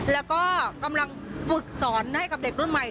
แล้วก็กำลังฝึกสอนให้กับเด็กรุ่นใหม่